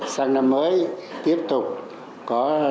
sang năm mới tiếp tục có nhiều sức khỏe